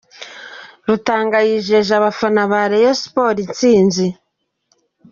Rutanga yijeje abafana ba Rayon Sports intsinzi.